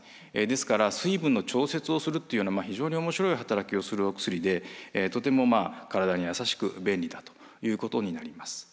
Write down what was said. ですから水分の調節をするというような非常に面白い働きをするお薬でとても体にやさしく便利だということになります。